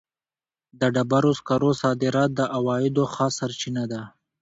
د ډبرو سکرو صادرات د عوایدو ښه سرچینه ده.